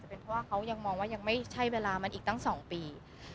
เป็นเพราะว่าเขายังมองว่ายังไม่ใช่เวลามันอีกตั้ง๒ปี